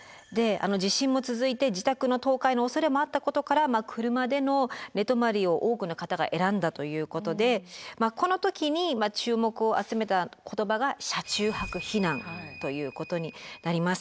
地震も続いて自宅の倒壊のおそれもあったことから車での寝泊まりを多くの方が選んだということでこの時に注目を集めた言葉が車中泊避難ということになります。